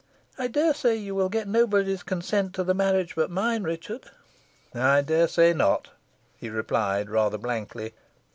I dare say you will get nobody's consent to the marriage but mine, Richard." "I dare say not," he replied, rather blankly.